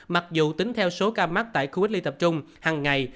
mặc dù tính theo số ca mắc tại khu cách ly tập trung hằng ngày